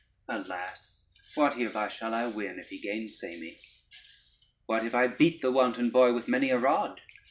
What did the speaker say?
Alas, what hereby shall I win, If he gainsay me? What if I beat the wanton boy With many a rod?